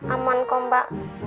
aman kok mbak